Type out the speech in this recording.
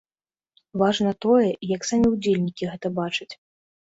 Важна тое, як самі ўдзельнікі гэта бачаць.